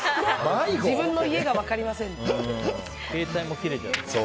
自分の家が分かりませんって。